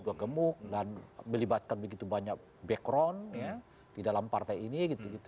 juga gemuk dan melibatkan begitu banyak background di dalam partai ini